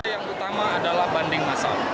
yang utama adalah banding masal